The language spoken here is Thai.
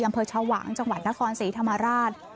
อำเภอชวางจังหวัดนครศรีธรรมราช